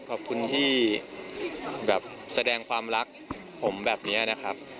ขอบคุณที่แบบแสดงความรักผมแบบนี้นะครับ